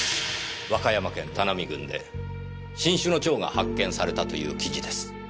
和歌山県田波郡で新種の蝶が発見されたという記事です。